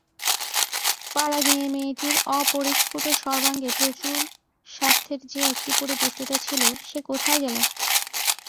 পাড়াগেঁয়ে মেয়েটির অপরিস্ফুট সর্বাঙ্গে প্রচুর স্বাসেথ্যর যে একটি পরিপুষ্টতা ছিল, সে কোথায় গেল?